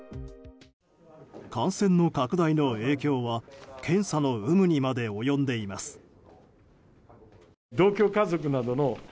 感染の拡大の影響は検査の有無にまで及んでいます。